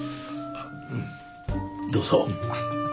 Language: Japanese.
どうぞ。